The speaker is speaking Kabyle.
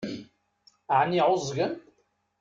Ɛni ɛuẓgen?